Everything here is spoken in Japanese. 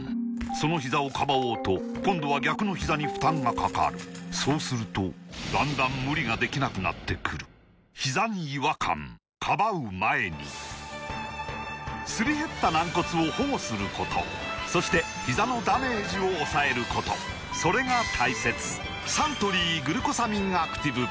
そのひざをかばおうと今度は逆のひざに負担がかかるそうするとだんだん無理ができなくなってくるすり減った軟骨を保護することそしてひざのダメージを抑えることそれが大切サントリー「グルコサミンアクティブ」